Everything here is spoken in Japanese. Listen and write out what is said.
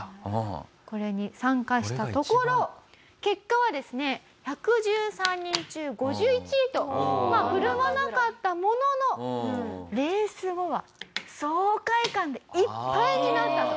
これに参加したところ結果はですね１１３人中５１位とまあ振るわなかったもののレース後は爽快感でいっぱいになったと。